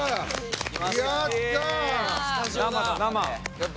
やった！